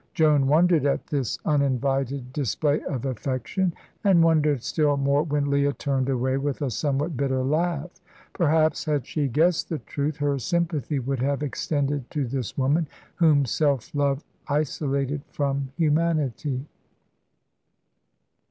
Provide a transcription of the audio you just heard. Joan wondered at this uninvited display of affection, and wondered still more when Leah turned away with a somewhat bitter laugh. Perhaps, had she guessed the truth, her sympathy would have extended to this woman, whom self love isolated from humanity.